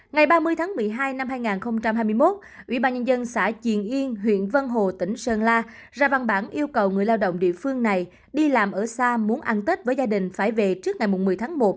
ngày ba mươi tháng một mươi hai năm hai nghìn hai mươi một ủy ban nhân dân xã triền yên huyện vân hồ tỉnh sơn la ra văn bản yêu cầu người lao động địa phương này đi làm ở xa muốn ăn tết với gia đình phải về trước ngày một mươi tháng một